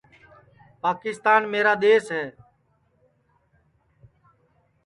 پاکِستان میرا دؔیس ہے